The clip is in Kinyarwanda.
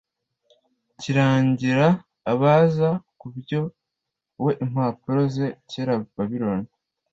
kirangira abaza kubyo we impapuro za kera Babiloni